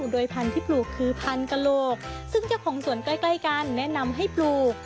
โดยพันธุ์ที่ปลูกคือพันกระโหลกซึ่งเจ้าของสวนใกล้กันแนะนำให้ปลูก